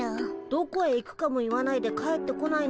どこへ行くかも言わないで帰ってこないなんて